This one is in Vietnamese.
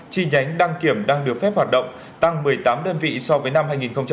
chi nhánh đăng kiểm đang được phép hoạt động tăng một mươi tám đơn vị so với năm hai nghìn một mươi bảy